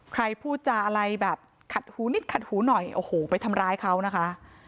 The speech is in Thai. พูดจาอะไรแบบขัดหูนิดขัดหูหน่อยโอ้โหไปทำร้ายเขานะคะ